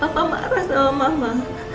papa marah sama mama